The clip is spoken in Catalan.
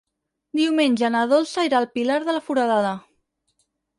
Diumenge na Dolça irà al Pilar de la Foradada.